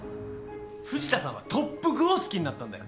藤田さんは特服を好きになったんだよ。